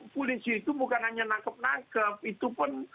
polisi itu bukan hanya nangkep nangkep itu pun